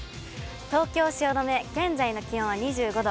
東京・汐留、現在の気温は２５度。